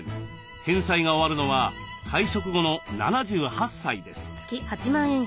返済が終わるのは退職後の７８歳です。